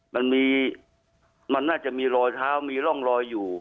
มันมีมันน่าจะมีรอยเท้ามีร่องรอยอยู่